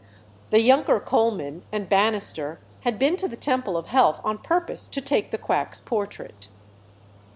The younger Colman and Bannister had been to the Temple of Health on purpose to take the quack's portrait.